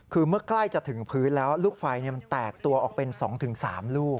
คือเมื่อใกล้จะถึงพื้นแล้วลูกไฟมันแตกตัวออกเป็น๒๓ลูก